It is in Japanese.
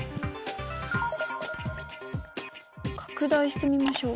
拡大してみましょう。